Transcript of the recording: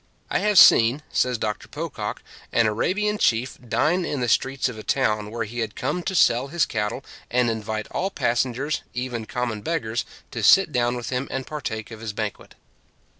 I have seen, says Doctor Pocock, an Arabian chief dine in the streets of a town where he had come to sell his cattle, and invite all passengers, even common beggars, to sit down with him and partake of his banquet.